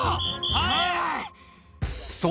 ・はい！